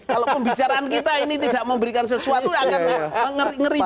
kalau pembicaraan kita ini tidak memberikan sesuatu akan mengerikan